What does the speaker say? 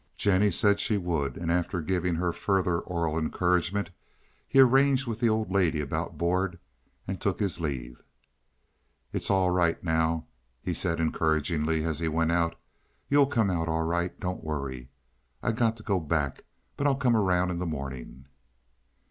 Jennie said she would, and, after giving her further oral encouragement, he arranged with the old lady about board, and took his leave. "It's all right now," he said encouragingly as he went out. "You'll come out all right. Don't worry. I've got to go back, but I'll come around in the morning."